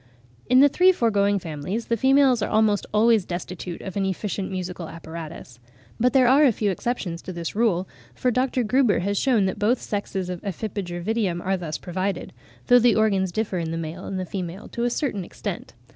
In the three foregoing families, the females are almost always destitute of an efficient musical apparatus. But there are a few exceptions to this rule, for Dr. Gruber has shewn that both sexes of Ephippiger vitium are thus provided; though the organs differ in the male and female to a certain extent.